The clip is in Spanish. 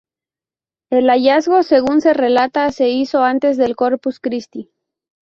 El hallazgo según se relata se hizo antes del Corpus Christi.